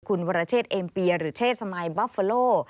คุณวรเชษเอ็มปีย์หรือเชษสมัยบาฟเฟโล่